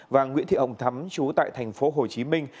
và nguyễn thị hồng thắm chú tại thành phố hồ chí minh